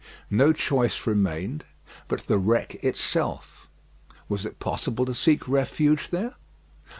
No choice remained but the wreck itself. Was it possible to seek refuge there?